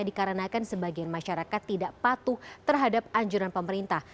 dikarenakan sebagian masyarakat tidak patuh terhadap anjuran pemerintah